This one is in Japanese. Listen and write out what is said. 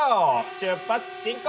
出発進行！